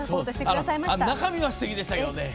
中身はすてきでしたけどね。